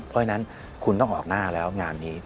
เพราะฉะนั้นคุณต้องออกหน้าแล้วงานนี้